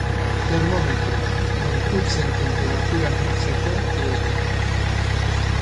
Termometroa: Gorputzen tenperatura neurtzeko tresna da.